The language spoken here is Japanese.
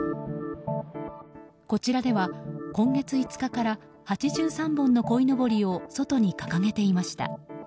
こちらでは、今月５日から８３本のこいのぼりを外に掲げていました。